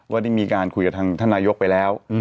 ได้มีการคุยกับทางท่านนายกไปแล้ว